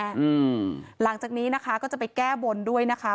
หลังจากนี้นะคะก็จะไปแก้บนด้วยนะคะ